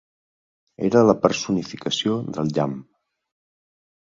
Era la personificació del llamp.